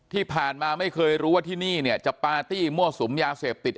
ที่ผ่านมาไม่เคยรู้ว่าที่นี่เนี่ยจะปาร์ตี้มั่วสุมยาเสพติด